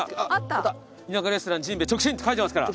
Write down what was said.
「田舎レストランじんべえ直進」って書いてますから。